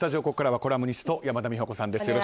ここからはコラムニスト山田美保子さんです。